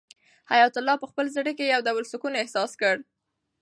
حیات الله په خپل زړه کې یو ډول سکون احساس کړ.